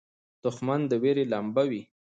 دښمن د وېرې لمبه وي